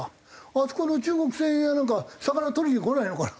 あそこの中国船やなんか魚とりに来ないのかな？